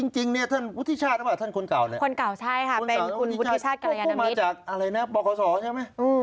เข้ามาจากเพาแลนาทปบนปลปหอศธ์เนี่ยไหม